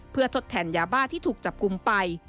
เพื่อทดแทนยาบ้าที่ถูกจับกลุ่มไป